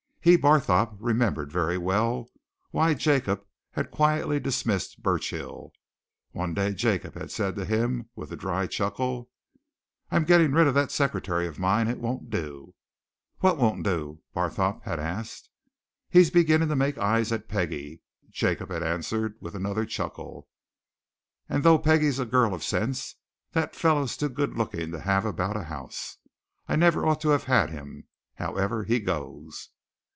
He, Barthorpe, remembered very well why Jacob had quietly dismissed Burchill. One day Jacob had said to him, with a dry chuckle: "I'm getting rid of that secretary of mine it won't do." "What won't do?" Barthorpe had asked. "He's beginning to make eyes at Peggie," Jacob had answered with another chuckle, "and though Peggie's a girl of sense, that fellow's too good looking to have about a house. I never ought to have had him. However he goes."